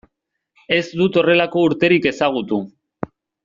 Ez dut horrelako urterik ezagutu.